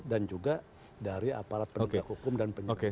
dan juga dari aparat penyelidikan hukum dan penyelidikan